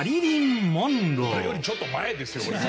俺よりちょっと前ですよ。